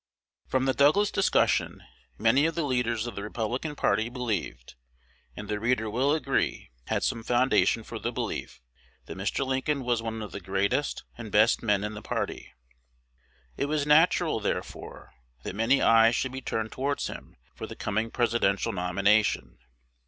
From the Douglas discussion many of the leaders of the Republican party believed, and the reader will agree had some foundation for the belief, that Mr. Lincoln was one of the greatest and best men in the party. It was natural, therefore, that many eyes should be turned towards him for the coming Presidential nomination.